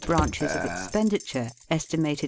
Branches of expenditure. Estimated. Yen.